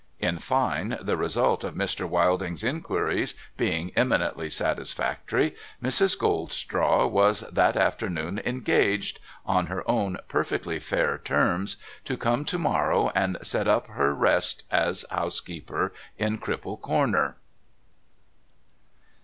In fine, the result of Mr. Wilding's inquiries being eminently satisfactory, Mrs. GoldstraAv was that afternoon THE HOUSEKEEPER INSTALLED 485 engaged (on her own perfectly fair terms) to come to morrow and set up her rest as housekeeper in Cripple Corner.